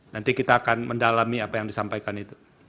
nanti kita akan mendalami apa yang disampaikan itu